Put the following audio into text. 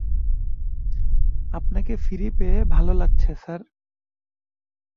আপনাকে ফিরে পেয়ে ভালো লাগছে, স্যার!